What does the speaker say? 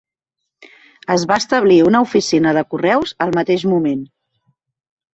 Es va establir una oficina de correus al mateix moment.